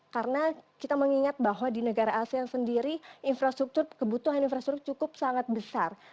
karena kita mengingat bahwa di negara asean sendiri infrastruktur kebutuhan infrastruktur cukup sangat besar